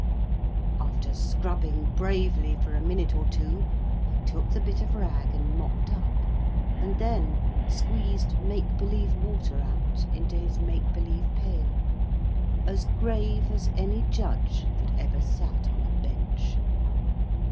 After scrubbing bravely for a minute or two, he took the bit of rag, and mopped up, and then squeezed make believe water out into his make believe pail, as grave as any judge that ever sat on a Bench.